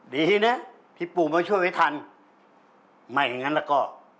ดีนะที่ปู่มาช่วยไว้ทันไม่อย่างงั้นแล้วก็